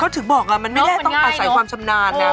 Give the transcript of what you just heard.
ถึงบอกมันไม่ได้ต้องอาศัยความชำนาญนะ